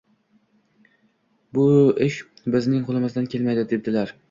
Bu ish bizning qo‘limizdan kelmaydi, debdilar